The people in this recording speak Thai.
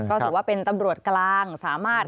ก็ถือว่าเป็นตำรวจกลางสามารถ